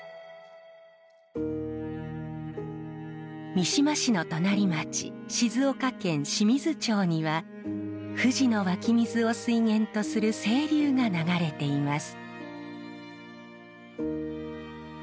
三島市の隣町静岡県清水町には富士の湧き水を水源とする清流が流れています。